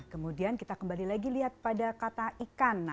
kemudian kita kembali lagi lihat pada kata ikan